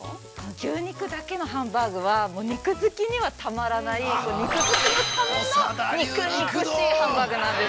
◆牛肉だけのハンバーグは、肉好きにはたまらない、肉好きのための肉々しいハンバーグなんです。